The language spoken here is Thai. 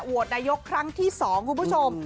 นายกครั้งที่๒คุณผู้ชม